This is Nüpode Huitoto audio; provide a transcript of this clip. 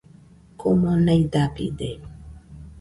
komo naidabide